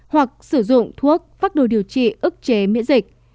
hoặc sử dụng thuốc phát đổi điều trị ức chế miễn dịch